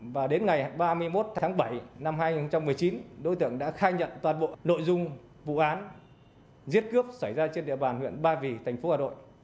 và đến ngày ba mươi một tháng bảy năm hai nghìn một mươi chín đối tượng đã khai nhận toàn bộ nội dung vụ án giết cướp xảy ra trên địa bàn huyện ba vì thành phố hà nội